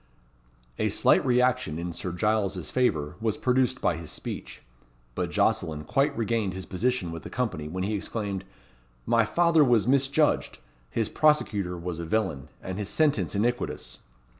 A slight reaction in Sir Giles's favour was produced by his speech, but Jocelyn quite regained his position with the company when he exclaimed "My father was misjudged. His prosecutor was a villain, and his sentence iniquitous."